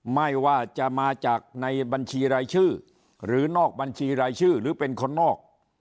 ไม่ว่าจะมาจากในบัญชีรายชื่อหรือนอกบัญชีรายชื่อหรือเป็นคนนอก